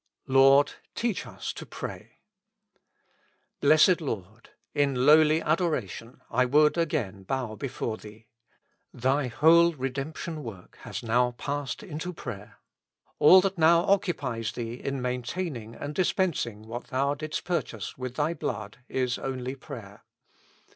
"Lord, teach us to pray." Blessed Lord ! in lowly adoration I would again bow before Thee. Thy whole redemption work has now passed into prayer : all that now occupies Thee in maintaining and dispensing what Thou didst pur chase with Thy blood is only prayer.